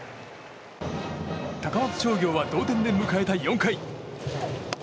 高松商業は同点で迎えた４回。